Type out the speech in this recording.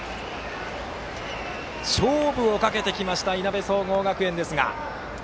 勝負をかけてきましたいなべ総合学園ですが。